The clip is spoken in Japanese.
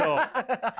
ハハハハ。